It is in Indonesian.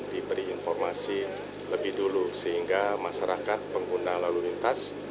diberi informasi lebih dulu sehingga masyarakat pengguna lalu lintas